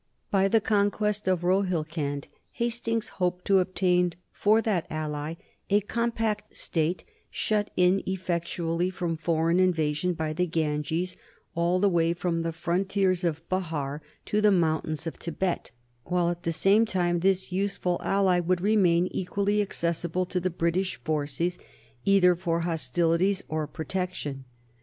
By the conquest of Rohilkhand Hastings hoped to obtain for that ally a compact State shut in effectually from foreign invasion by the Ganges all the way from the frontiers of Behar to the mountains of Thibet, while at the same time this useful ally would remain equally accessible to the British forces either for hostilities or protection.